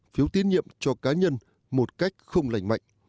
phiếu tín nhiệm cho cá nhân một cách không lành mạnh